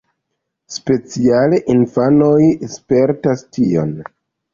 Speciale infanoj spertas tion.